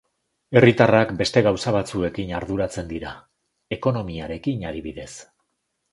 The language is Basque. Herritarrak beste gauza batzuekin arduratzen dira, ekonomiarekin adibidez.